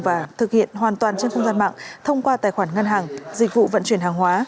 và thực hiện hoàn toàn trên không gian mạng thông qua tài khoản ngân hàng dịch vụ vận chuyển hàng hóa